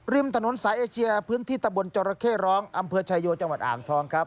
ริมถนนสายเอเชียพื้นที่ตะบนจรเข้ร้องอำเภอชายโยจังหวัดอ่างทองครับ